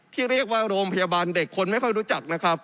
ที่เรียกว่าโรงพยาบาลเด็กคนไม่ค่อยรู้จักนะครับ